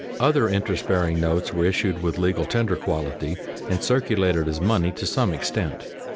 Other interest bearing notes were issued with legal tender quality and circulated as money to some extent.